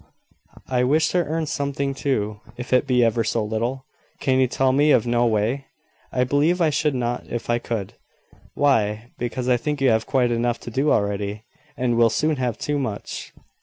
I wish to earn something too, if it be ever so little. Can you tell me of no way?" "I believe I should not if I could. Why? Because I think you have quite enough to do already, and will soon have too much.